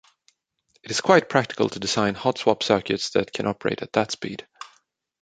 It is quite practical to design hot-swap circuits that can operate at that speed.